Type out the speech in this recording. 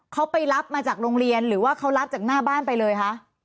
เขาไปรับมาจากโรงเรียนหรือว่าเขารับจากหน้าบ้านไปเลยคะ